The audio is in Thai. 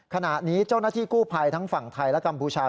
ขณะนี้เจ้าหน้าที่กู้ภัยทั้งฝั่งไทยและกัมพูชา